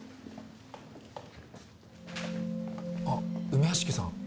あっ梅屋敷さん